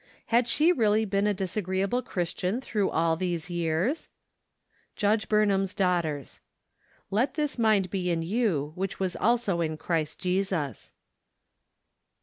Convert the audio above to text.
Had she really been a disagreeable Christian through all these years ? Judge Burnham's Daughters. "Let this mind be in you , which teas also in Christ Jesus."